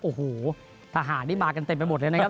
โอ้โหทหารนี่มากันเต็มไปหมดเลยนะครับ